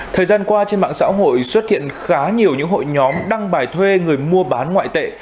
thời gian qua trên mạng xã hội xuất hiện khá nhiều những hội nhóm đăng bài thuê người mua bán ngoại tệ